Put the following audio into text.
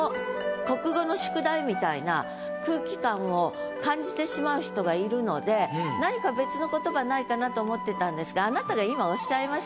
みたいな空気感を感じてしまう人がいるので何か別の言葉ないかなと思ってたんですが。